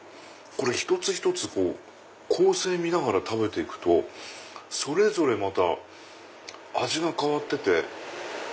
一つ一つ構成見ながら食べて行くとそれぞれまた味が変わってて。